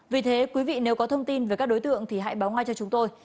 vì thế quý vị nếu có thông tin về các đối tượng thì hãy báo ngay cho chúng tôi